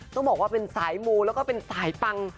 ต้องบอกว่าเป็นสายมูแล้วก็เป็นสายปัง